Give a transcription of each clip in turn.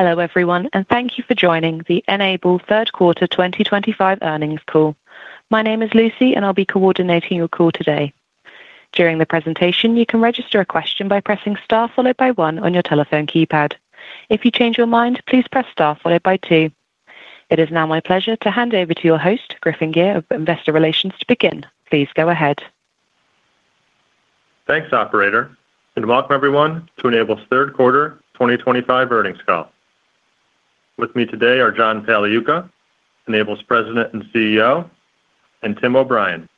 Hello everyone and thank you for joining the N-able Third Quarter 2025 Earnings Call. My name is Lucy and I'll be coordinating your call today. During the presentation, you can register a question by pressing star followed by one on your telephone keypad. If you change your mind, please press star followed by two. It is now my pleasure to hand over to your host, Griffin Gyr of Investor Relations to begin. Please go ahead. Thanks, operator, and welcome everyone to N-able's Third Quarter 2025 Earnings Call. With me today are John Pagliuca, N-able's President and CEO, and Tim O'Brien,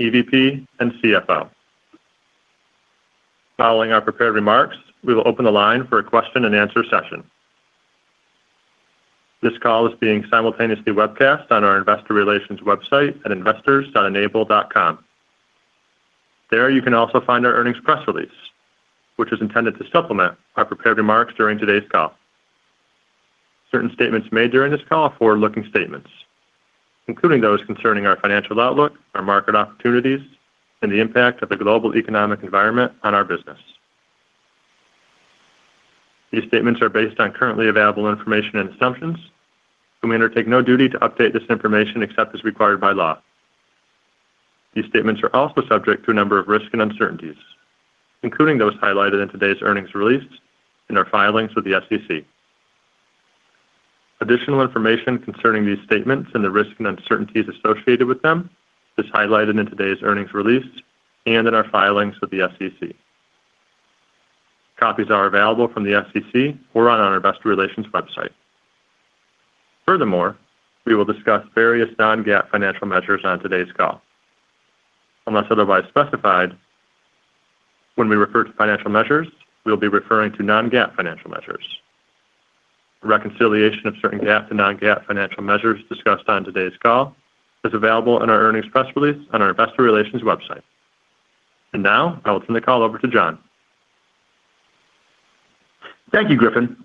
EVP and CFO. Following our prepared remarks, we will open the line for a question and answer session. This call is being simultaneously webcast on our investor relations website at investors.n-able.com. There you can also find our earnings press release, which is intended to supplement our prepared remarks during today's call. Certain statements made during this call are forward-looking statements, including those concerning our financial outlook, our market opportunities, and the impact of the global economic environment on our business. These statements are based on currently available information and assumptions, and we undertake no duty to update this information except as required by law. These statements are also subject to a number of risks and uncertainties including those highlighted in today's earnings release and our filings with the SEC. Additional information concerning these statements and the risks and uncertainties associated with them is highlighted in today's earnings release and in our filings with the SEC. Copies are available from the SEC or on our Investor Relations website. Furthermore, we will discuss various non-GAAP financial measures on today's call. Unless otherwise specified, when we refer to financial measures, we will be referring to non-GAAP financial measures. Reconciliation of certain GAAP to non-GAAP financial measures discussed on today's call is available in our earnings press release on our Investor Relations website. Now I will turn the call over to John. Thank you, Griffin,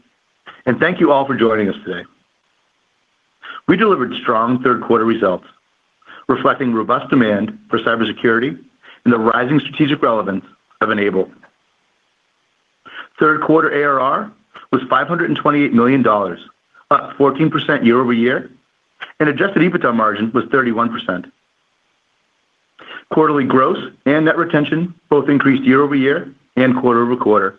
and thank you all for joining us today. We delivered strong third quarter results reflecting robust demand for cybersecurity and the rising strategic relevance of N-able. Third quarter ARR was $528 million, up 14% year-over-year, and adjusted EBITDA margin was 31%. Quarterly gross and net retention both increased year-over-year and quarter-over-quarter,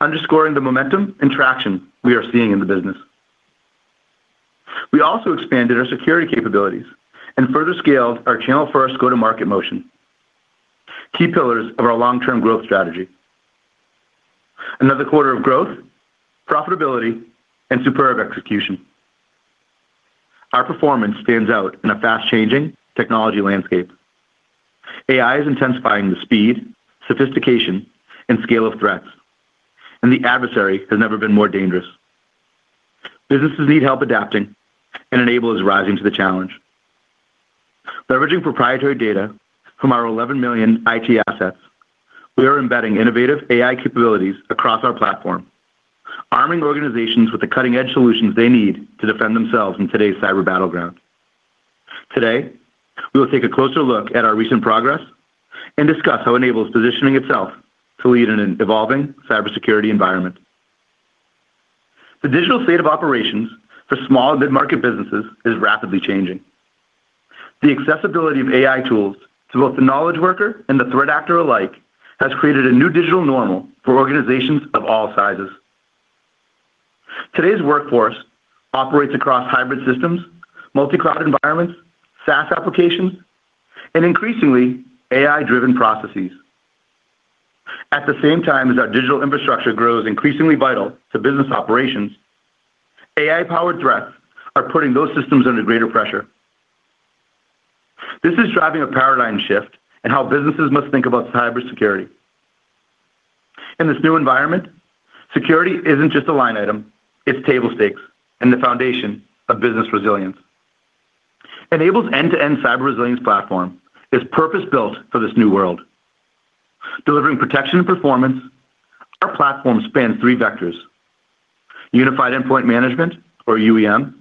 underscoring the momentum and traction we are seeing in the business. We also expanded our security capabilities and further scaled our channel. First go-to-market motion, key pillars of our long-term growth strategy. Another quarter of growth, profitability, and superb execution. Our performance stands out in a fast-changing technology landscape. AI is intensifying the speed, sophistication, and scale of threats, and the adversary has never been more dangerous. Businesses need help adapting, and N-able is rising to the challenge. Leveraging proprietary data from our 11 million IT assets, we are embedding innovative AI capabilities across our platform, arming organizations with the cutting-edge solutions they need to defend themselves in today's cyber battleground. Today we will take a closer look at our recent progress and discuss how N-able is positioning itself to lead in an evolving cybersecurity environment. The digital state of operations for small and mid-market businesses is rapidly changing. The accessibility of AI tools to both the knowledge worker and the threat actor alike has created a new digital normal for organizations of all sizes. Today's workforce operates across hybrid systems, multi-cloud environments, SaaS applications, and increasingly AI-driven processes. At the same time, as our digital infrastructure grows increasingly vital to business operations, AI-powered threats are putting those systems under greater pressure. This is driving a paradigm shift in how businesses must think about cybersecurity. In this new environment, security isn't just a line item, it's table stakes and the foundation of business resilience. N-able's end-to-end cyber resilience platform is purpose built for this new world, delivering protection and performance. Our platform spans three: unified endpoint management or UEM,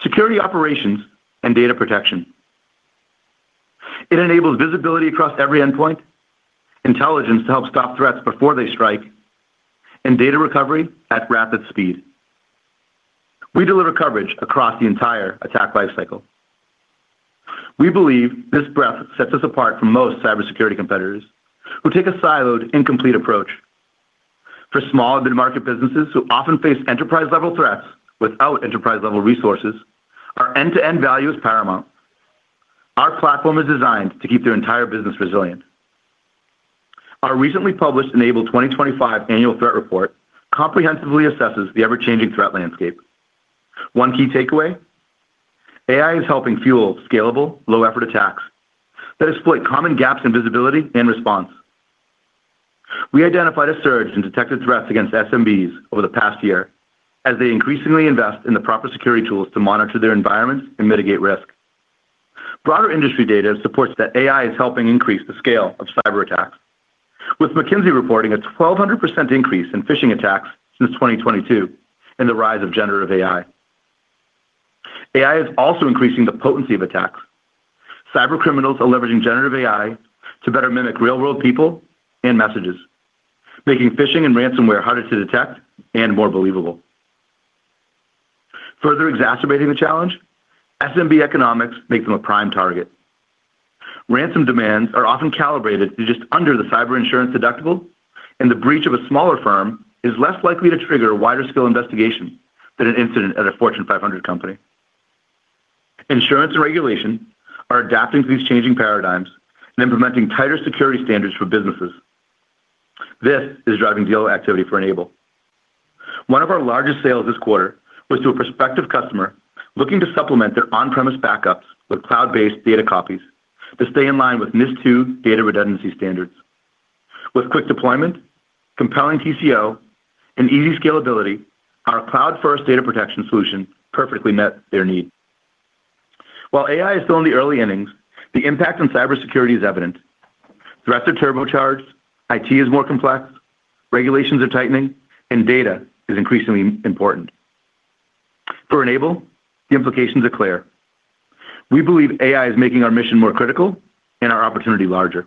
security operations, and data protection. It enables visibility across every endpoint, intelligence to help stop threats before they strike, and data recovery at rapid speed. We deliver coverage across the entire attack lifecycle. We believe this breadth sets us apart from most cybersecurity competitors who take a siloed, incomplete approach. For small mid market businesses who often face enterprise level threats without enterprise level resources, our end-to-end value is paramount. Our platform is designed to keep their entire business resilient. Our recently published N-able 2025 Annual Threat Report comprehensively assesses the ever changing threat landscape. One key takeaway, AI is helping fuel scalable low effort attacks that exploit common gaps in visibility and response. We identified a surge in detected threats against SMBs over the past year as they increasingly invest in the proper security tools to monitor their environments and mitigate risk. Broader industry data supports that. AI is helping increase the scale of cyber attacks, with McKinsey reporting a 1,200% increase in phishing attacks since 2022 and the rise of generative AI. AI is also increasing the potency of attacks. Cybercriminals are leveraging generative AI to better mimic real world people and messages, making phishing and ransomware harder to detect and more believable, further exacerbating the challenge. SMB economics make them a prime target. Ransom demands are often calibrated to just under the cyber insurance deductible and the breach of a smaller firm is less likely to trigger a wider scale investigation than an incident at a Fortune 500 company. Insurance and regulation are adapting to these changing paradigms and implementing tighter security standards for businesses. This is driving dealer activity for N-able. One of our largest sales this quarter was to a prospective customer looking to supplement their on-premise backups with cloud-based data copies to stay in line with NIST 2 data redundancy standards. With quick deployment, compelling TCO and easy scalability, our cloud-first data protection solution perfectly met their need. While AI is still in the early innings, the impact on cybersecurity is evident. Threats are turbocharged, IT is more complex, regulations are tightening and data is increasingly important for N-able. The implications are clear. We believe AI is making our mission more critical and our opportunity larger.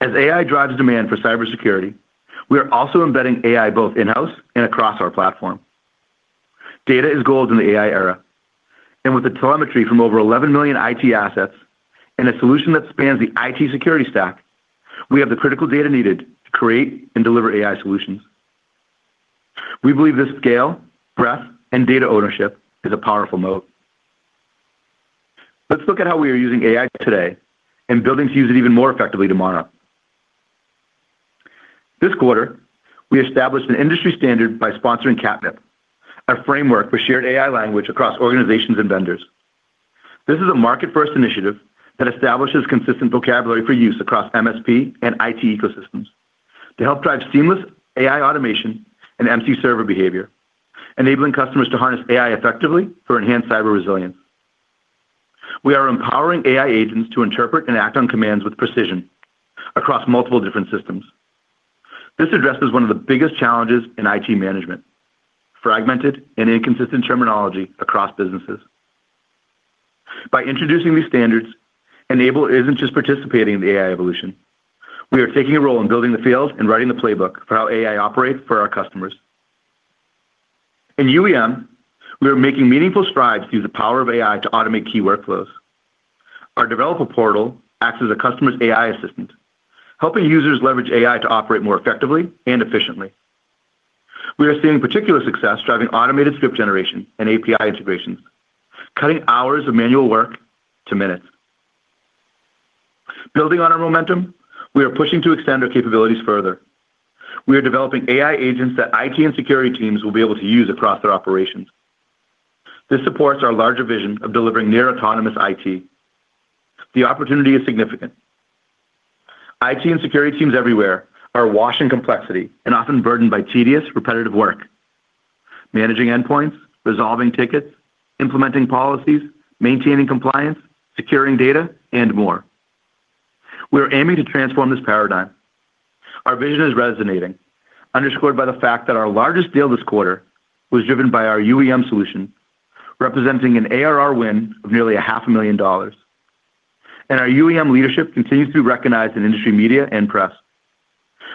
As AI drives demand for cybersecurity, we are also embedding AI both in house and across our platform. Data is gold in the AI era and with the telemetry from over 11 million IT assets and a solution that spans the IT security stack, we have the critical data needed to create and deliver AI solutions. We believe this scale, breadth and data ownership is a powerful moat. Let's look at how we are using AI today and building to use it even more effectively tomorrow. This quarter we established an industry standard by sponsoring Cat-MIP, a framework for shared AI language across organizations and vendors. This is a market first initiative that establishes consistent vocabulary for use across MSP and IT ecosystems to help drive seamless AI automation and MC server behavior, enabling customers to harness AI effectively for enhanced cyber resilience. We are empowering AI agents to interpret and act on commands with precision across multiple different systems. This addresses one of the biggest challenges in IT: fragmented and inconsistent terminology across businesses. By introducing these standards, N-able isn't just participating in the AI evolution. We are taking a role in building the field and writing the playbook for how AI operates for our customers in UEM. We are making meaningful strides through the power of AI to automate key workflows. Our developer portal acts as a customer's AI assistant, helping users leverage AI to operate more effectively and efficiently. We are seeing particular success driving automated script generation and API integrations, cutting hours of manual work to minutes. Building on our momentum, we are pushing to extend our capabilities further. We are developing AI agents that IT and security teams will be able to use across their operations. This supports our larger vision of delivering near autonomous IT. The opportunity is significant. IT and security teams everywhere are awash in complexity and often burdened by tedious, repetitive work managing endpoints, resolving tickets, implementing policies, maintaining compliance, securing data and more. We are aiming to transform this paradigm. Our vision is resonating, underscored by the fact that our largest deal this quarter was driven by our UEM solution, representing an ARR win of nearly $500,000. Our UEM leadership continues to be recognized in industry, media and press.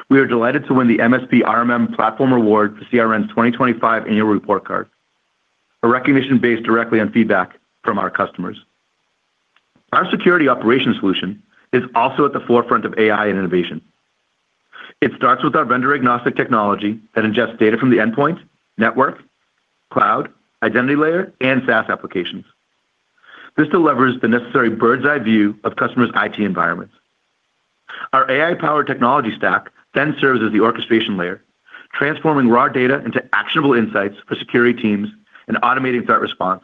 We are delighted to win the MSP RMM platform award for CRN's 2025 annual report card, a recognition based directly on feedback from our customers. Our security operations solution is also at the forefront of AI and innovation. It starts with our vendor-agnostic technology that ingests data from the endpoint, network, cloud identity layer, and SaaS applications. This delivers the necessary bird's-eye view of customers' IT environments. Our AI-powered technology stack then serves as the orchestration layer, transforming raw data into actionable insights for security teams and automating threat response.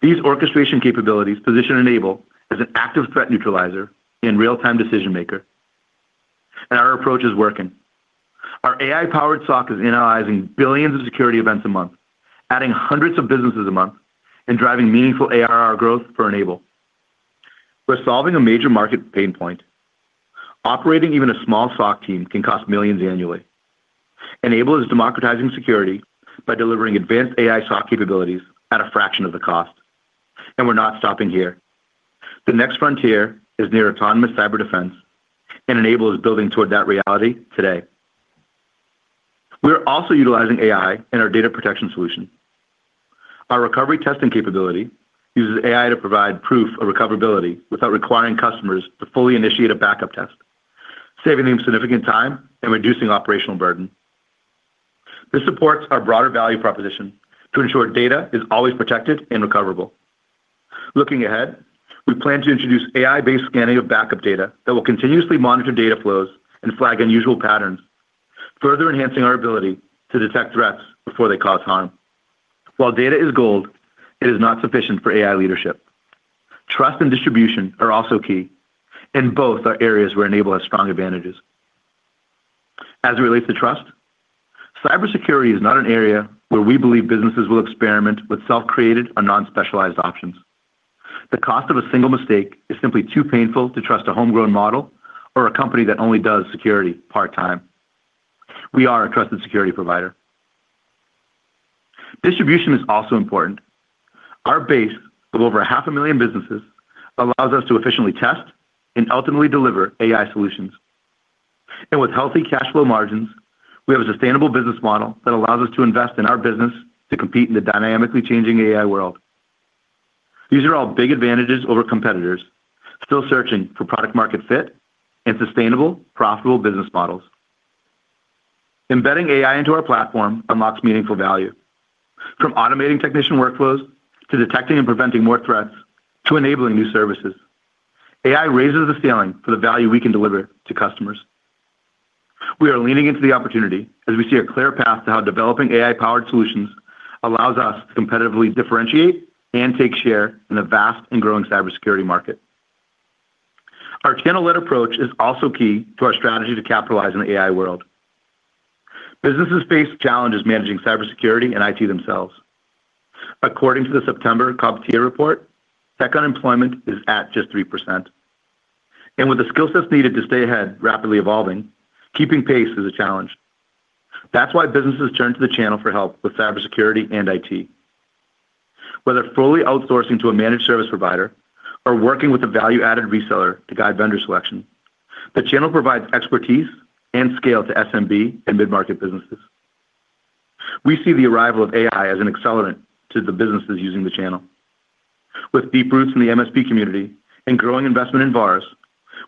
These orchestration capabilities position N-able as an active threat neutralizer and real-time decision maker and our approach is working. Our AI-powered SOC is analyzing billions of security events a month, adding hundreds of businesses a month, and driving meaningful ARR growth for N-able, resolving a major market pain point. Operating even a small SOC team can cost millions annually. N-able is democratizing security by delivering advanced AI SOC capabilities at a fraction of the cost and we're not stopping here. The next frontier is near autonomous cyber defense and N-able is building toward that reality. Today we're also utilizing AI in our data protection solution. Our recovery testing capability uses AI to provide proof of recoverability without requiring customers to fully initiate a backup test, saving them significant time and reducing operational burden. This supports our broader value proposition to ensure data is always protected and recoverable. Looking ahead, we plan to introduce AI based scanning of backup data that will continuously monitor data flows and flag unusual patterns, further enhancing our ability to detect threats before they cause harm. While data is gold, it is not sufficient for AI leadership. Trust and distribution are also key and both are areas where N-able has strong advantages. As it relates to trust, cybersecurity is not an area where we believe businesses will experiment with self-created or non-specialized options. The cost of a single mistake is simply too painful to trust a homegrown model or a company that only does security part time. We are a trusted security provider. Distribution is also important. Our base of over 500,000 businesses allows us to efficiently test and ultimately deliver AI solutions and with healthy cash flow margins. We have a sustainable business model that allows us to invest in our business to compete in the dynamically changing AI world. These are all big advantages over competitors still searching for product-market fit and sustainable, profitable business models. Embedding AI into our platform unlocks meaningful value. From automating technician workflows to detecting and preventing more threats to enabling new services, AI raises the ceiling for the value we can deliver to customers. We are leaning into the opportunity as we see a clear path to how developing AI powered solutions allows us to competitively differentiate and take share in the vast and growing cybersecurity market. Our channel led approach is also key to our strategy to capitalize in the AI world. Businesses face challenges managing cybersecurity and IT themselves. According to the September CompTIA report, tech unemployment is at just 3% and with the skill sets needed to stay ahead rapidly evolving, keeping pace is a challenge. That's why businesses turn to the channel for help with cybersecurity and IT. Whether fully outsourcing to a managed service provider or working with a value added reseller to guide vendor selection, the channel provides expertise and scale to SMB and mid market businesses. We see the arrival of AI as an accelerant to the businesses using the channel. With deep roots in the MSP community and growing investment in VARs,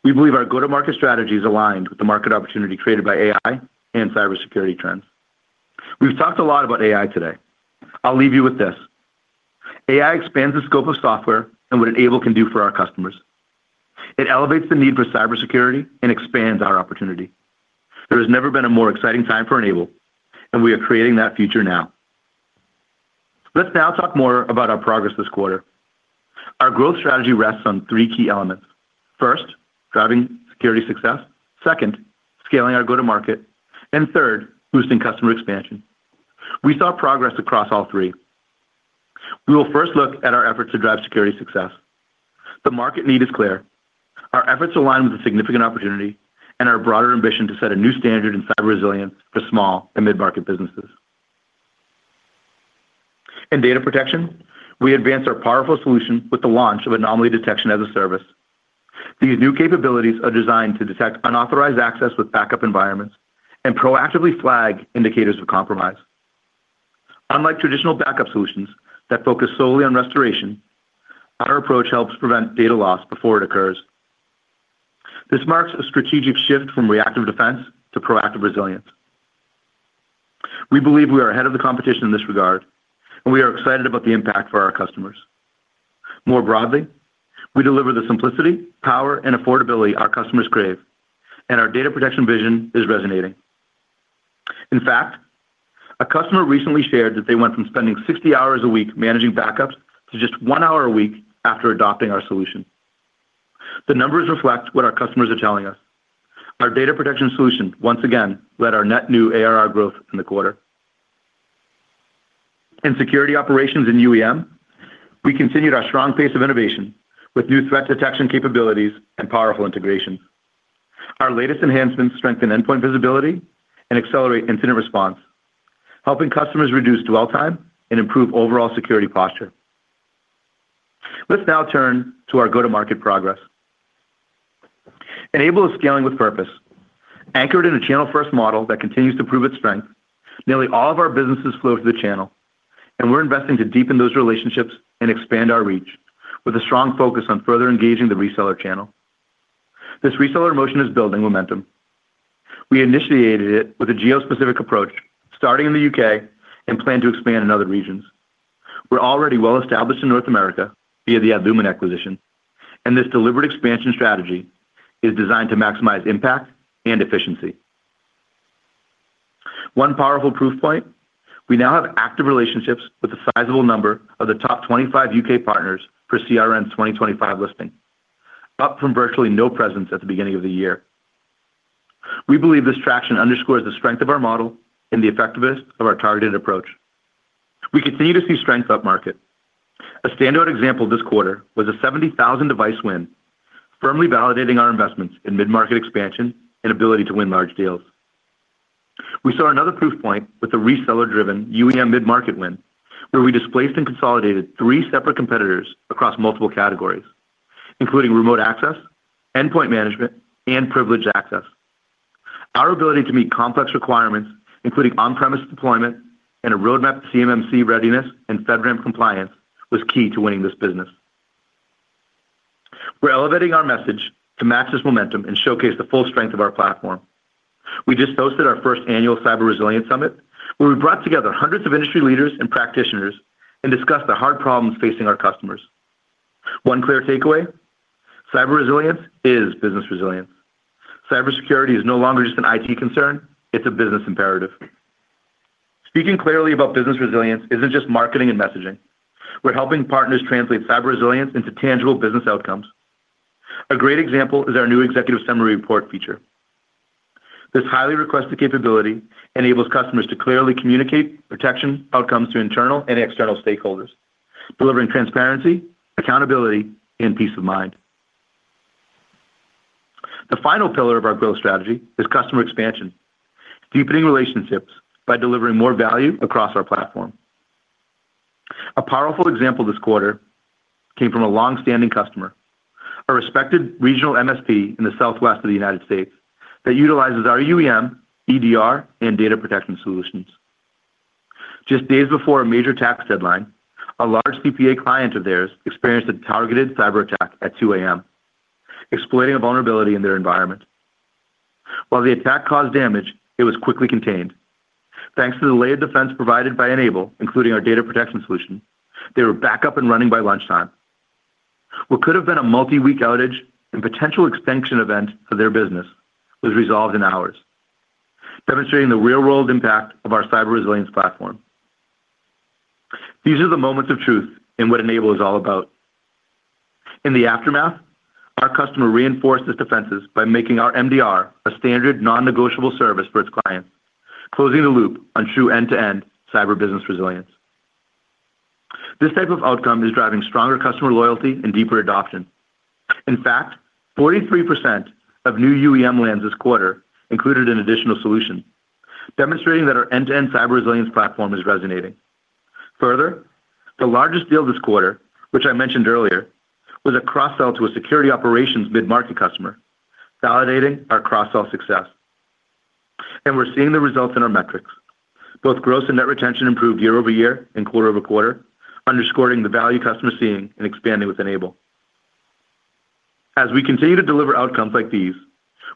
we believe our go to market strategy is aligned with the market opportunity created by AI and cybersecurity trends. We've talked a lot about AI today. I'll leave you with this. AI expands the scope of software and what N-able can do for our customers. It elevates the need for cybersecurity and expands our opportunity. There has never been a more exciting time for N-able and we are creating that future now. Let's now talk more about our progress this quarter. Our growth strategy rests on three key elements. First, driving security success, second, scaling our go to market, and third, boosting customer expansion. We saw progress across all three. We will first look at our efforts to drive security success. The market need is clear. Our efforts align with the significant opportunity and our broader ambition to set a new standard in cyber resilience for small and mid market businesses. In data protection, we advanced our powerful solution with the launch of anomaly detection as a service. These new capabilities are designed to detect unauthorized access with backup environments and proactively flag indicators of compromise. Unlike traditional backup solutions that focus solely on restoration, our approach helps prevent data loss before it occurs. This marks a strategic shift from reactive defense to proactive resilience. We believe we are ahead of the competition in this regard, and we are excited about the impact for our customers. More broadly, we deliver the simplicity, power, and affordability our customers crave and our data protection vision is resonating. In fact, a customer recently shared that they went from spending 60 hours a week managing backups to just one hour a week after adopting our solution. The numbers reflect what our customers are telling us. Our data protection solution once again led our net new ARR growth in the quarter in security operations and UEM. We continued our strong pace of innovation with new threat detection capabilities and powerful integration. Our latest enhancements strengthen endpoint visibility and accelerate incident response, helping customers reduce dwell time and improve overall security posture. Let's now turn to our go-to-market progress. N-able is scaling with purpose, anchored in a channel-first model that continues to prove its strength. Nearly all of our businesses flow to the channel and we're investing to deepen those relationships and expand our reach. With a strong focus on further engaging the reseller channel, this reseller motion is building momentum. We initiated it with a geo-specific approach starting in the U.K. and plan to expand in other regions. We're already well established in North America via the Adlumin acquisition and this deliberate expansion strategy is designed to maximize impact and efficiency. One powerful proof point, we now have active relationships with a sizable number of the top 25 U.K. partners for CRN 2025 listing, up from virtually no presence at the beginning of the year. We believe this traction underscores the strength of our model and the effectiveness of our targeted approach. We continue to see strength upmarket. A standout example this quarter was a 70,000 device win, firmly validating our investments in mid market expansion and ability to win large deals. We saw another proof point with the reseller driven UEM mid market win, where we displaced and consolidated three separate competitors across multiple categories including remote access, endpoint management and privileged access. Our ability to meet complex requirements including on premise deployment and a roadmap to CMMC readiness and FedRAMP compliance was key to winning this business. We are elevating our message to match this momentum and showcase the full strength of our platform. We just hosted our first annual Cyber Resilience Summit where we brought together hundreds of industry leaders and practitioners and discussed the hard problems facing our customers. One clear takeaway: cyber resilience is business resilience. Cybersecurity is no longer just an IT concern, it is a business imperative. Speaking clearly about business resilience is not just marketing and messaging. We are helping partners translate cyber resilience into tangible business outcomes. A great example is our new Executive Summary Report feature. This highly requested capability enables customers to clearly communicate protection outcomes to internal and external stakeholders, delivering transparency, accountability, and peace of mind. The final pillar of our growth strategy is customer expansion, deepening relationships by delivering more value across our platform. A powerful example this quarter came from a long-standing customer, a respected regional MSP in the Southwest United States that utilizes our UEM, EDR, and data protection solutions. Just days before a major tax deadline, a large CPA client of theirs experienced a targeted cyber attack at 2:00 A.M., exploiting a vulnerability in their environment. While the attack caused damage, it was quickly contained thanks to the layered defense provided by N-able, including our data protection solution, they were back up and running by lunchtime. What could have been a multi-week outage and potential extinction event of their business was resolved in hours, demonstrating the real-world impact of our cyber resilience platform. These are the moments of truth in what N-able is all about. In the aftermath, our customer reinforced its defenses by making our MDR a standard non-negotiable service for its clients, closing the loop on true end-to-end cyber business resilience. This type of outcome is driving stronger customer loyalty and deeper adoption. In fact, 43% of new UEM lands this quarter included an additional solution, demonstrating that our end-to-end cyber resilience platform is resonating further. The largest deal this quarter which I mentioned earlier was a cross sell to a Security Operations mid market customer, validating our cross sell success and we're seeing the results in our metrics. Both gross and net retention improved year-over-year and quarter-over-quarter, underscoring the value customers are seeing and expanding with N-able. As we continue to deliver outcomes like these,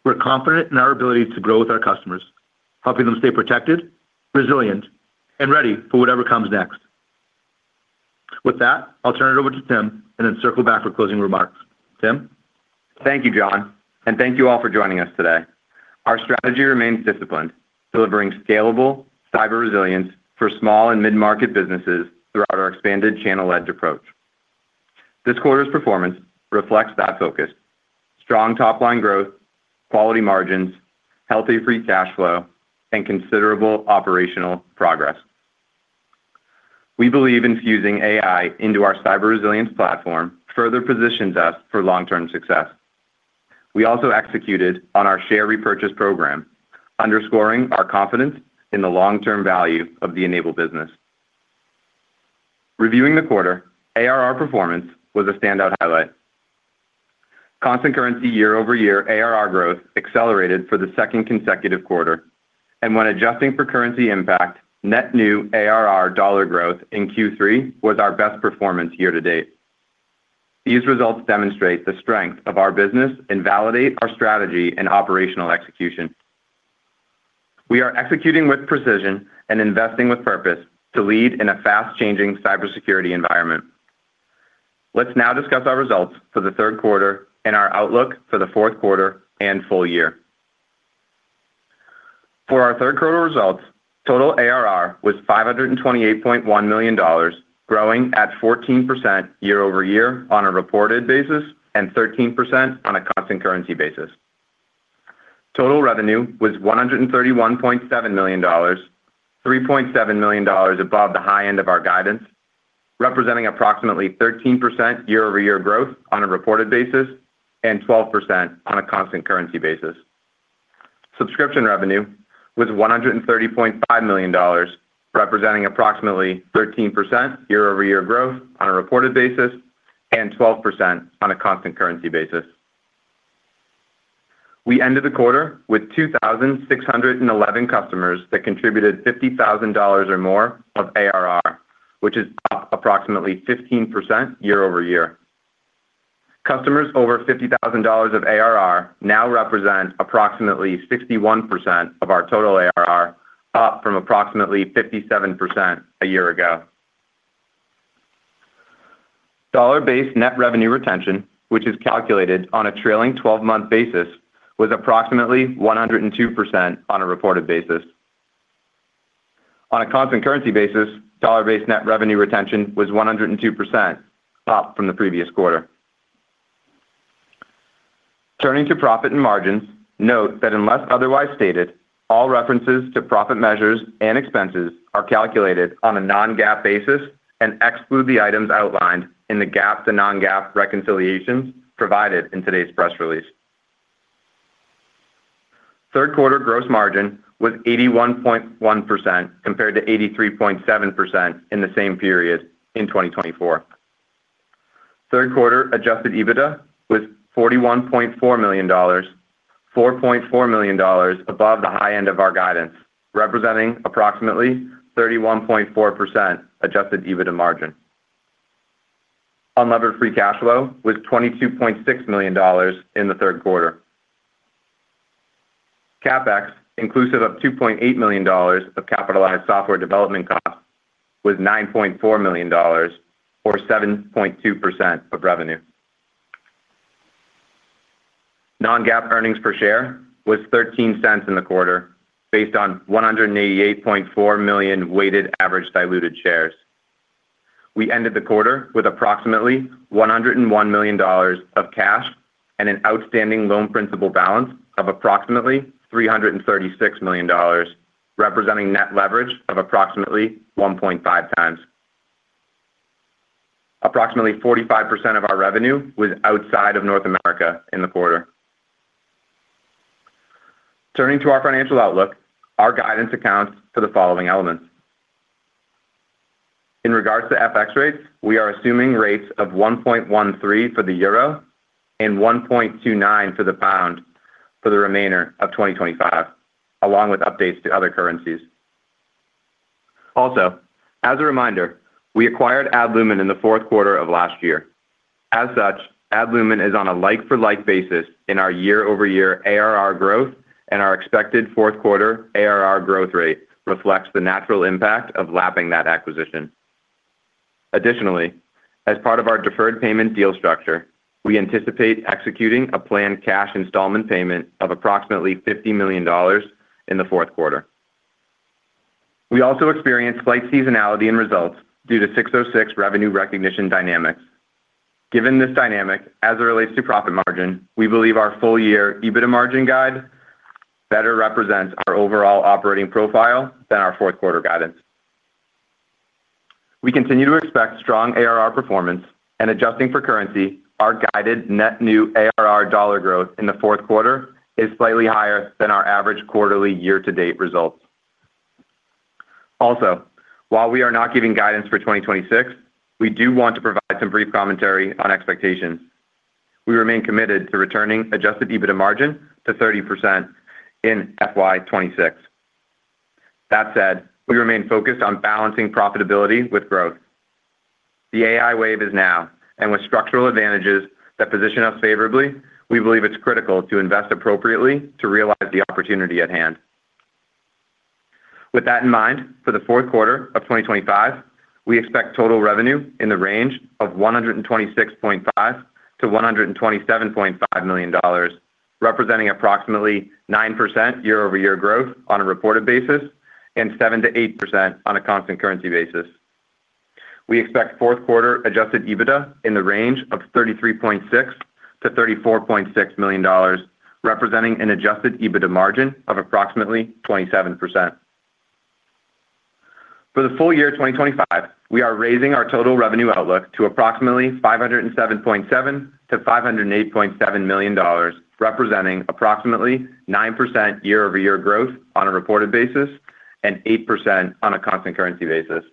we're confident in our ability to grow with our customers, helping them stay protected, resilient and ready for whatever comes next. With that I'll turn it over to Tim and then circle back for closing remarks. Tim. Thank you John and thank you. All for joining us today. Our strategy remains disciplined, delivering scalable cyber resilience for small and mid market businesses throughout our expanded channel-led approach. This quarter's performance reflects that focus. Strong top line growth, quality margins, healthy free cash flow, and considerable operational progress. We believe infusing AI into our cyber resilience platform further positions us for long term success. We also executed on our share repurchase program, underscoring our confidence in the long term value of the N-able business. Reviewing the quarter, ARR performance was a standout highlight. Constant currency year-over-year ARR growth accelerated for the second consecutive quarter, and when adjusting for currency impact, net new ARR dollar growth in Q3 was our best performance year to date. These results demonstrate the strength of our business and validate our strategy and operational execution. We are executing with precision and investing with purpose to lead in a fast changing cybersecurity environment. Let's now discuss our results for the third quarter and our outlook for the fourth quarter and full year. For our third quarter results. Total ARR was $528.1 million, growing at 14% year-over-year on a reported basis and 13% on a constant currency basis. Total revenue was $131.7 million, $3.7 million above the high end of our guidance, representing approximately 13% year-over-year growth on a reported basis and 12% on a constant currency basis. Subscription revenue was $130.5 million, representing approximately 13% year-over-year growth on a reported basis and 12% on a constant currency basis. We ended the quarter with 2,611 customers that contributed $50,000 or more of ARR, which is up approximately 15% year-over-year. Customers over $50,000 of ARR now represent approximately 61% of our total ARR, up from approximately 57% a year ago. Dollar based net revenue retention, which is calculated on a trailing twelve month basis, was approximately 102% on a reported basis. On a constant currency basis, dollar based net revenue retention was 102% up from the previous quarter. Turning to profit and margins, note that unless otherwise stated, all references to profit measures and expenses are calculated on a non-GAAP basis and exclude the items outlined in the GAAP to non-GAAP reconciliations provided in today's press release. Third quarter gross margin was 81.1% compared to 83.7% in the same period in 2024. Third quarter adjusted EBITDA was $41.4 million, $4.4 million above the high end of our guidance, representing approximately 31.4% adjusted EBITDA margin. Unlevered free cash flow was $22.6 million in the third quarter. CapEx inclusive of $2.8 million of capitalized software development costs was $9.4 million or 7.2% of revenue. Non-GAAP earnings per share was $0.13 in the quarter based on 188.4 million weighted average diluted shares. We ended the quarter with approximately $101 million of cash and an outstanding loan principal balance of approximately $336 million representing net leverage of approximately 1.5 times. Approximately 45% of our revenue was outside of North America in the quarter. Turning to our financial outlook, our guidance accounts for the following elements. In regards to FX rates, we are assuming rates of 1.13 for the euro and 1.29 for the pounds for the remainder of 2025, along with updates to other currencies. Also, as a reminder, we acquired Adlumin in the fourth quarter of last year. As such, Adlumin is on a like-for-like basis in our year-over-year ARR growth and our expected fourth quarter ARR growth rate reflects the natural impact of lapping that acquisition. Additionally, as part of our deferred payment deal structure, we anticipate executing a planned cash installment payment of approximately $50 million in the fourth quarter. We also experienced slight seasonality in results due to 606 revenue recognition dynamics. Given this dynamic as it relates to profit margin, we believe our full year EBITDA margin guide better represents our overall operating profile than our fourth quarter guidance. We continue to expect strong ARR performance and, adjusting for currency, our guided net new ARR dollar growth in the fourth quarter is slightly higher than our average quarterly year to date results. Also, while we are not giving guidance for 2026, we do want to provide some brief commentary on expectations. We remain committed to returning adjusted EBITDA margin to 30% in FY 2026. That said, we remain focused on balancing profitability with growth. The AI wave is now and with structural advantages that position us favorably, we believe it's critical to invest appropriately to realize the opportunity at hand. With that in mind, for the fourth quarter of 2025, we expect total revenue in the range of $126.5 million-$127.5 million representing approximately 9% year-over-year growth on a reported basis and 7%-8% on a constant currency basis. We expect fourth quarter adjusted EBITDA in the range of $33.6 million-$34.6 million representing an adjusted EBITDA margin of approximately 27% for the full year 2025. We are raising our total revenue outlook to approximately $507.7 million-$508.7 million representing approximately 9% year-over-year growth on a reported basis and 8% on a constant currency basis.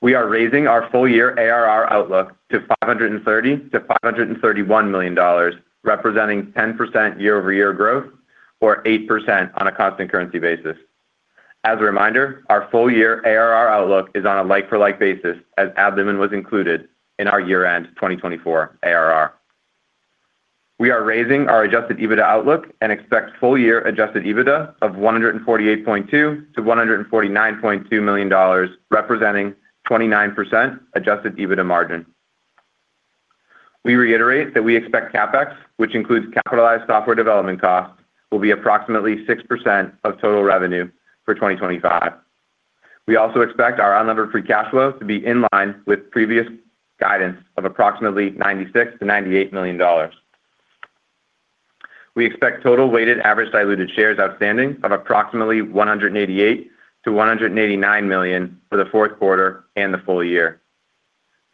We are raising our full year ARR outlook to $530 million-$531 million representing 10% year-over-year growth or 8% on a constant currency basis. As a reminder, our full year ARR outlook is on a like for like basis as Adlumin was included in our year end 2024 ARR. We are raising our adjusted EBITDA outlook and expect full year adjusted EBITDA of $148.2 million-$149.2 million representing 29% adjusted EBITDA margin. We reiterate that we expect CapEx, which includes capitalized software development costs, will be approximately 6% of total revenue for 2025. We also expect our unlevered free cash flow to be in line with previous guidance of approximately $96 million-$98 million. We expect total weighted average diluted shares outstanding of approximately 188 million-189 million for the fourth quarter and the full year.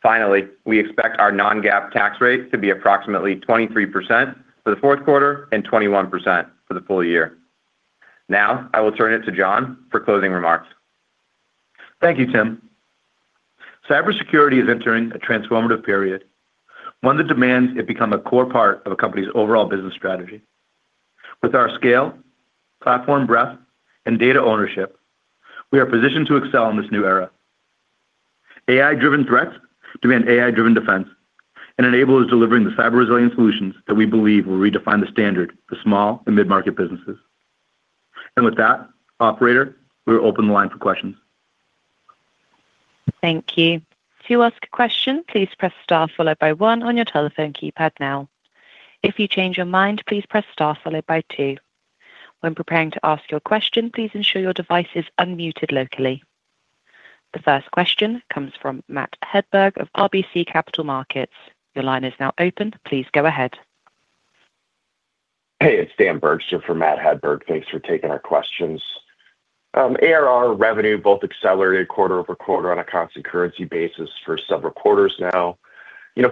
Finally, we expect our non-GAAP tax rate to be approximately 23% for the fourth quarter and 21% for the full year. Now I will turn it to John for closing remarks. Thank you, Tim. Cybersecurity is entering a transformative period. One that demands it become a core part of a company's overall business strategy. With our scale, platform breadth, and data ownership, we are positioned to excel in this new era. AI-driven threats demand AI-driven defense and enable us delivering the cyber resilient solutions that we believe will redefine the standard for small and mid-market businesses. With that, Operator, we are open the line for questions. Thank you. To ask a question please press star followed by one on your telephone keypad. Now if you change your mind, please press star followed by two. When preparing to ask your question, please ensure your device is unmuted locally. The first question comes from Matt Hedberg of RBC Capital Markets. Your line is now open. Please go ahead. Hey, it's Dan Bergstrom for Matt Hedberg. Thanks for taking our questions. ARR revenue both accelerated quarter-over-quarter on a constant currency basis for several. Quarters now,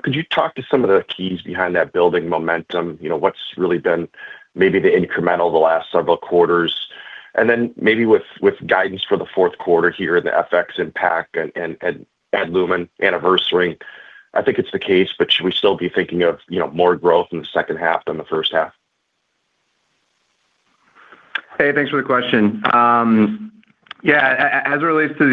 could you talk to some? Of the keys behind that building momentum? What's really been maybe the incremental, the last several and then maybe with guidance for the fourth quarter here, the FX impact and Adlumin anniversary. I think it's the case. Should we still be thinking of. More growth in the second half than the first half? Hey, thanks for the question. Yeah, as it relates to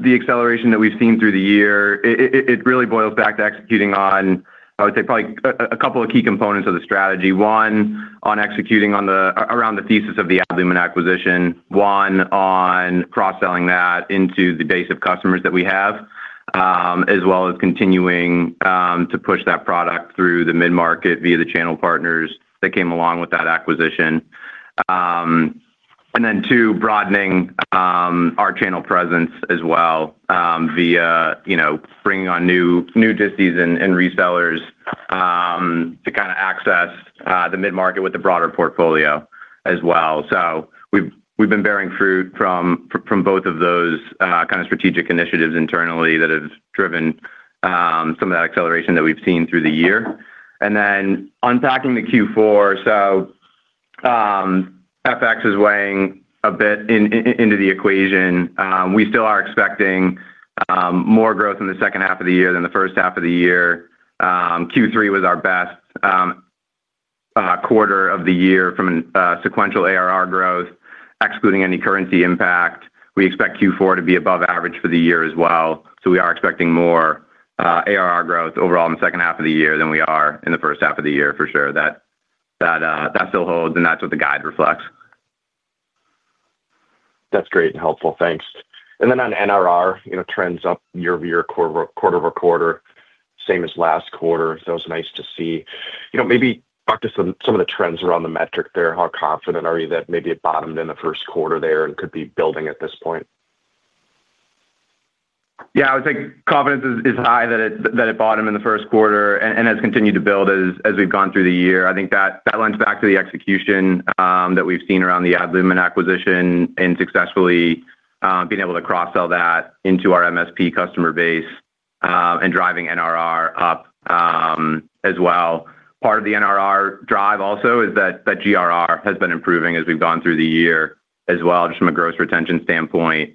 the acceleration. That we've seen through the year, it really boils back to executing on AI. Would say probably a couple of key. Components of the strategy. One on executing around the thesis of the Adlumin acquisition, one on that into the base of customers that we have as well as continuing to push that product through the mid market via the channel partners that came along with that. Acquisition. Two, broadening our channel presence as well via, you know, bringing on new disties and resellers to kind of access the mid market with the broader portfolio as well. We have been bearing fruit from both of those kind of strategic initiatives internally that have driven some of that acceleration that we have seen through the year. Unpacking the Q4, FX is weighing a bit into the equation. We still are expecting more growth in the second half of the year than the first half of the year. Q3 was our best quarter of the year. From sequential ARR growth excluding any currency impact, we expect Q4 to be above average for the year as well. We are expecting more ARR growth overall in the second half of the year than we are in the first half of the year. For sure that still holds and that's what the guide reflects. That's great and helpful, thanks. Then on NRR trends up year-over-year, quarter-over-quarter, same as last quarter. That was nice to see. Maybe talk to some of the. Trends around the metric there. How confident are you that maybe it bottomed in the first quarter there and could be building at this point? Yeah, I would say confidence is high that it bottomed in the first quarter and has continued to build as we've gone through the year. I think that lends back to the execution that we've seen around the Adlumin acquisition and successfully being able to cross sell that into our MSP customer base and driving NRR up as well. Part of the NRR drive also is that GRR has been improving as we've gone through the year as well. Just from a gross retention standpoint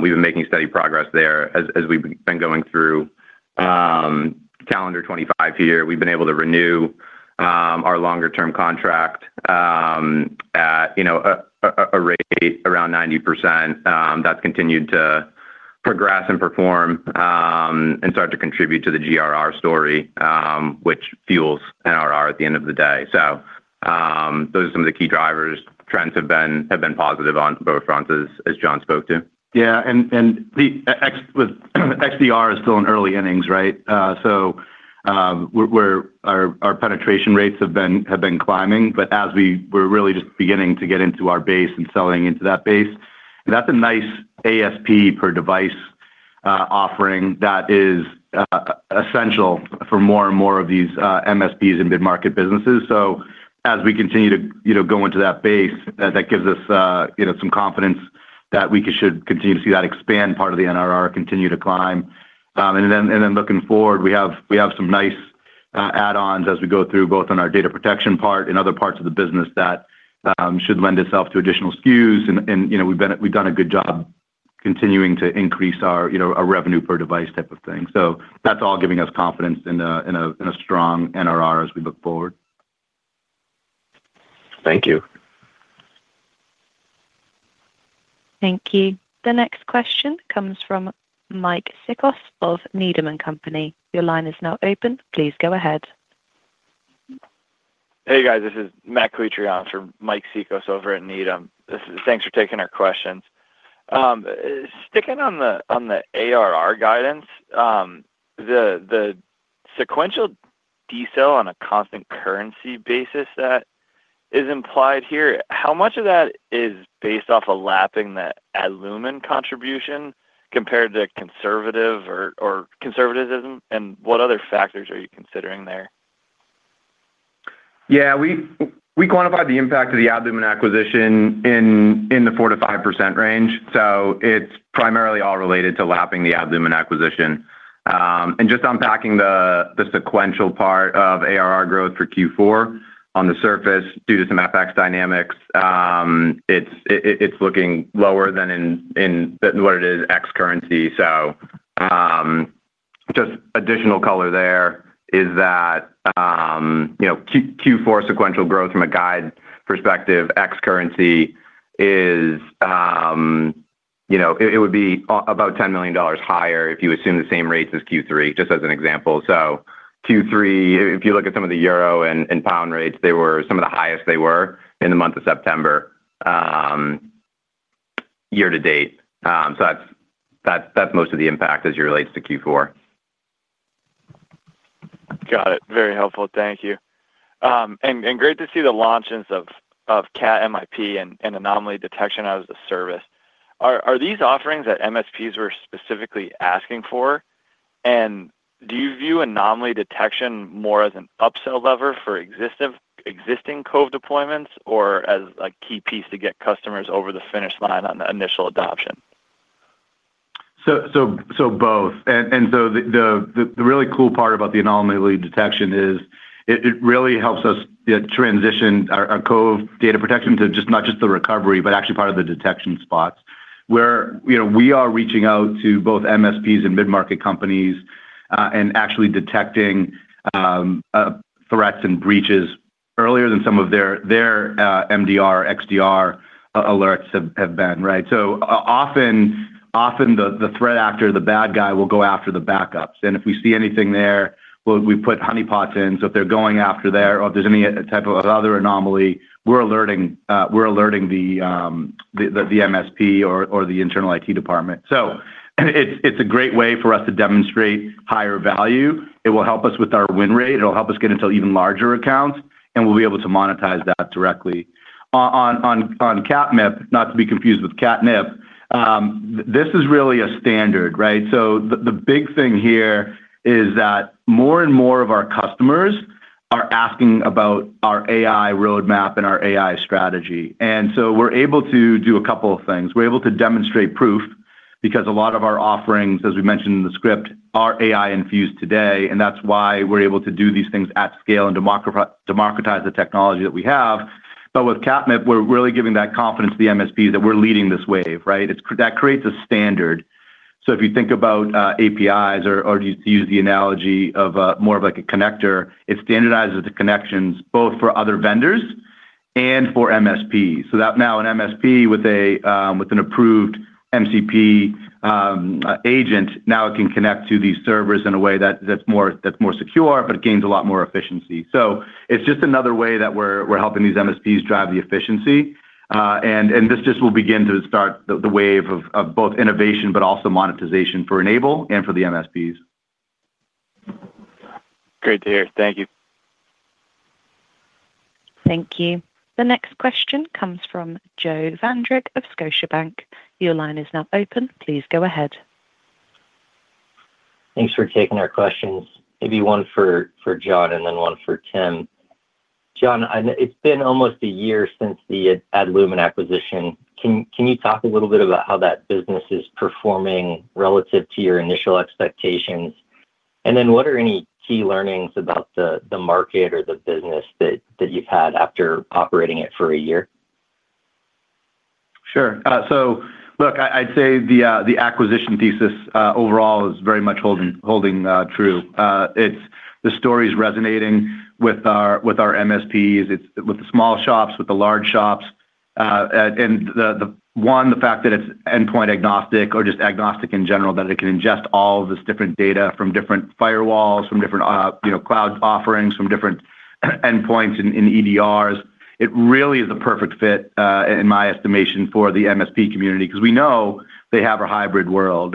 we've been making steady progress there. As we've been going through calendar 2025 here, we've been able to renew our longer term contract, you know, a rate around 90% that's continued to progress and perform and start to contribute to the GRR story which fuels NRR at the. End of the day. Those are some of the key drivers. Trends have been positive on both fronts as John spoke to. Yeah, XDR is still in early innings. Right. Our penetration rates have been climbing but as we were really just beginning to get into our base and selling into that base, that's a nice ASP per device offering that is essential for more and more of these MSPs and mid market businesses. As we continue to go into that base that gives us some confidence that we should continue to see that expand, part of the NRR continue to climb and then looking forward we have some nice add ons as we go through both on our data protection part and other parts of the business that should lend itself to additional SKUs. We've done a good job continuing to increase our, you know, our revenue per device type of thing. That's all giving us confidence in a strong NRR as we look forward. Thank you. Thank you. The next question comes from Mike Cikos of Needham & Company. Your line is now open. Please go ahead. Hey guys, this is Matt Calitri for Mike Cikos over at Needham. Thanks for taking our questions. Sticking on the ARR guidance, the sequential decel on a constant currency basis that is implied here, how much of that is based off a lapping that Adlumin contribution compared to conservative or conservatism? And what other factors are you considering there? Yeah, we quantified the impact of the Adlumin acquisition in the 4%-5% range. It is primarily all related to lapping the Adlumin acquisition. Just unpacking the sequential part of ARR growth for Q4, on the surface due to some FX dynamics, it is looking lower than what it is ex-currency. Just additional color there is that Q4 sequential growth from a guide perspective, ex-currency, would be about $10 million higher if you assume the same rates as Q3. Just as an example, Q3, if you look at some of the euro and pound rates, they were some of the highest they were in the month of September. Year to date. That's most of the impact as it relates to Q4. Got it, very helpful, thank you and great to see the launches of Cat-MIP and anomaly detection as a service. Are these offerings that MSPs were specifically asking for and do you view anomaly detection more as an upsell lever for existing Cove deployments or as a key piece to get customers over the finish line on the initial adoption? So both. The really cool part about the anomaly detection is it really helps us transition our Cove Data Protection to not just the recovery but actually part of the detection spots where we are reaching out to both MSPs and mid-market companies and actually detecting threats and breaches earlier than some of their MDR, XDR alerts have been. Right. Often the threat actor, the bad guy, will go after the backups and if we see anything there, we put honeypots in. If they are going after there or if there is any type of other anomaly, we are alerting the MSP or the internal IT department. It is a great way for us to demonstrate higher value. It will help us with our win rate, it will help us get into even larger accounts, and we will be able to monetize that directly on Cat-MIP Not to be confused with Cat-MIP, this is really a standard. Right. The big thing here is that more and more of our customers are asking about our AI roadmap and our AI strategy. We are able to do a couple of things. We are able to demonstrate proof because a lot of our offerings, as we mentioned in the script, are AI infused today. That is why we are able to do these things at scale and democratize, democratize the technology. With Cat-MIP, we are really giving that confidence to the MSP that we are leading this wave. Right. That creates a standard. If you think about APIs, or use the analogy of more of like a connector, it standardizes the connections both for other vendors and for MSP. Now an MSP with an approved MCP agent can connect to these servers in a way that's more secure, but it gains a lot more efficiency. It is just another way that we're helping these MSPs drive the efficiency. This will begin to start the wave of both innovation, but also monetization for N-able and for the MSPs. Great to hear. Thank you. Thank you. The next question comes from Joe Vandrick of Scotiabank. Your line is now open. Please go ahead. Thanks for taking our questions. Maybe one for John and then one for Tim. John, it's been almost a year since the Adlumin acquisition. Can you talk a little bit about? How that business is performing relative to your initial expectations? What are any key learnings about the market or the business that you've had after operating it for a year? Sure. I'd say the acquisition thesis overall is very much holding true. The story is resonating with our MSPs, it's with the small shops, with the large shops. One, the fact that it's endpoint agnostic, or just agnostic in general, that it can ingest all this different data from different firewalls, from different cloud offerings, from different endpoints in EDRs, it really is a perfect fit in my estimation for the MSP community because we know they have a hybrid world.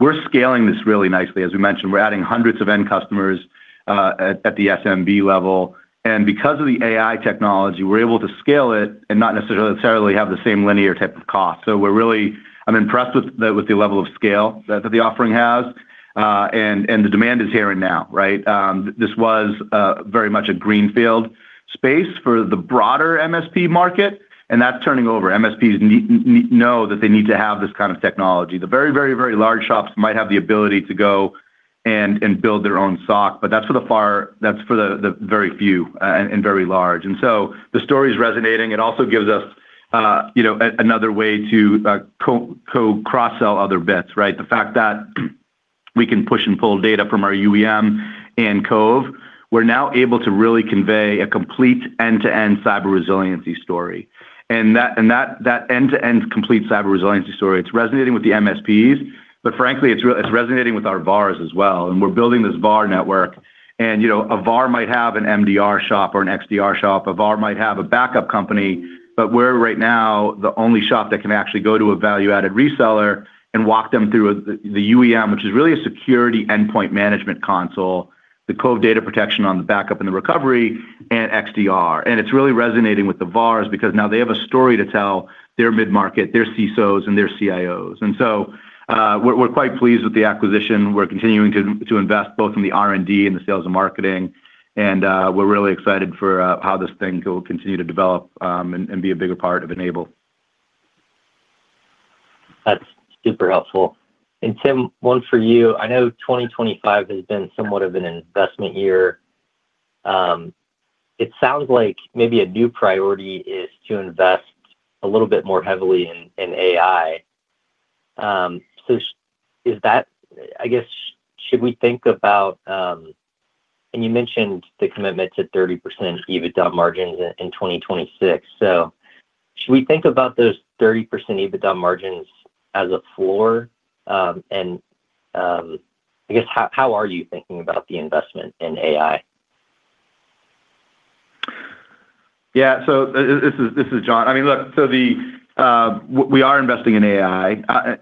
We're scaling this really nicely, as we mentioned, we're adding hundreds of end customers at the SMB level and because of the AI technology we're able to scale it and not necessarily have the same linear type of cost. I'm impressed with the level of scale that the offering has and the demand is here and now. This was very much a greenfield space for the broader MSP market and that's turning over. MSPs know that they need to have this kind of technology. The very, very, very large shops might have the ability to go and build their own SOC, but that's for the very few and very large. The story's resonating. It also gives us another way to cross sell other bits. Right. The fact that we can push and pull data from our UEM and Cove. We're now able to really convey a complete end-to-end cyber resiliency story. That end-to-end complete cyber resiliency story, it's resonating with the MSPs, but frankly it's resonating with our VARs as well. We're building this VAR network and, you know, a VAR might have an MDR shop or an XDR shop, a VAR might have a backup company, but we're right now the only shop that can actually go to a value-added reseller and walk them through the UEM, which is really a security endpoint management console, the Cove Data Protection on the backup and the Recovery and XDR. It's really resonating with the VARs because now they have a story to tell their mid-market, their CISOs and their CIOs. And so we're quite pleased with the acquisition. We're continuing to invest both in the R and D and the sales and marketing and we're really excited for how this thing will continue to develop and be a bigger part of N-able. That's super helpful. Tim, one for you. I know 2025 has been somewhat of an investment year. It sounds like maybe a new priority is to invest a little bit more heavily in AI. Is that, I guess should we think about. You mentioned the commitment to 30% EBITDA margins in 2026. Should we think about those 30% EBITDA margins as a floor and I guess how are you thinking about the investment in AI? Yeah, this is John. I mean look, we are investing in AI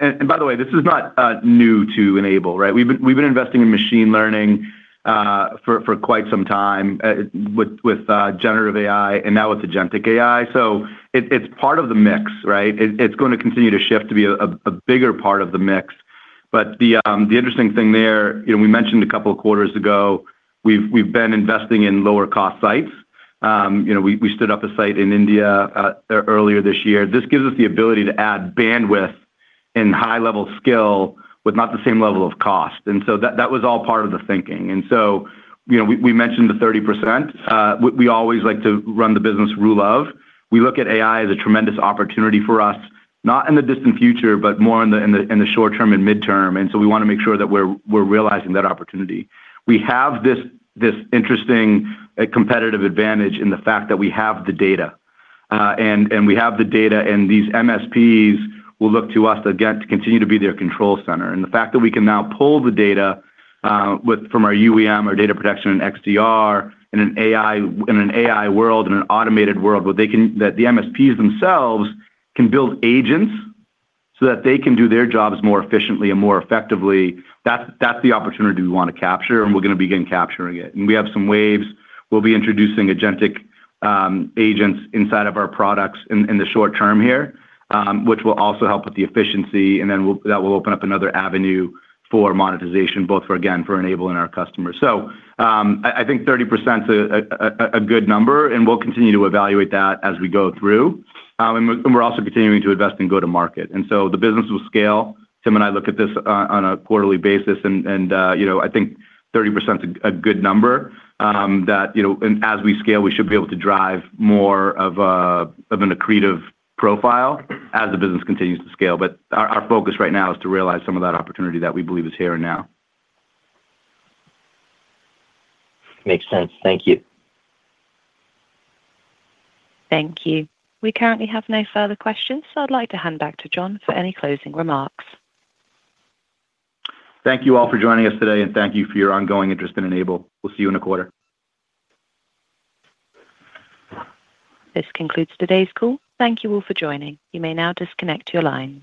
and by the way, this is not new to N-able. Right. We've been investing in machine learning for quite some time with generative AI and now with agentic AI. It is part of the mix, right? It is going to continue to shift to be a bigger part of the mix. The interesting thing there, you know, we mentioned a couple of quarters ago we have been investing in lower cost sites. You know, we stood up a site in India earlier this year. This gives us the ability to add bandwidth and high level skill with not the same level of cost. That was all part of the thinking. You know, we mentioned the 30%. We always like to run the business rule of we look at AI as a tremendous opportunity for us not in the distant future, but more in the short term and midterm. We want to make sure that we're realizing that opportunity. We have this interesting competitive advantage in. The fact that we have the data. We have the data and these MSPs will look to us to continue to be their control center. The fact that we can now pull the data from our UEM or data protection and XDR in an AI world, in an automated world where they can, that the MSPs themselves can build agents so that they can do their jobs more efficiently and more effectively, that's the opportunity we want to capture and we're going to begin capturing it. We have some waves. We'll be introducing agentic agents inside of our products in the short term here, which will also help with the efficiency, and that will open up another avenue for monetization both for, again, for N-able and our customers. I think 30% a good number and we'll continue to evaluate that as we go through and we're also continuing to invest in go to market and so the business will scale. Tim and I look at this on a quarterly basis and you know, I think 30% a good number that you know, as we scale we should be able to drive more of an accretive profile as the business continues to scale. Our focus right now is to realize some of that opportunity that we believe is here and now. Makes sense. Thank you. Thank you. We currently have no further questions so I'd like to hand back to John for any closing remarks. Thank you all for joining us today and thank you for your ongoing interest in N-able. We'll see you in a quarter. This concludes today's call. Thank you all for joining. You may now disconnect your lines.